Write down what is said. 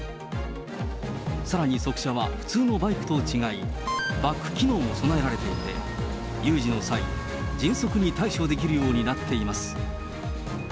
さらに側車は、普通のバイクと違い、バック機能も備えられていて、有事の際、迅速に対処できるようになっています。